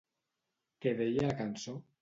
Què deia la cançó?